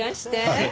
はい。